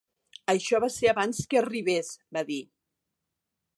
"Això va ser abans que arribés," va dir.